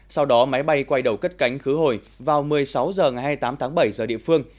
sau đó máy bay quay đầu cất cánh khứ hồi vào một mươi sáu h ngày hai mươi tám tháng bảy giờ địa phương